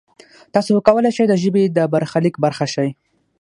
تاسو کولای شئ د ژبې د برخلیک برخه شئ.